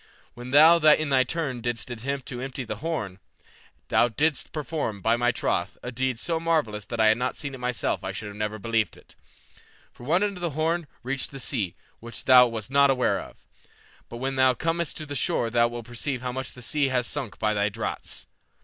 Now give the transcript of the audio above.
When thou in thy turn didst attempt to empty the horn, thou didst perform, by my troth, a deed so marvellous that had I not seen it myself I should never have believed it. For one end of that horn reached the sea, which thou wast not aware of, but when thou comest to the shore thou wilt perceive how much the sea has sunk by thy draughts.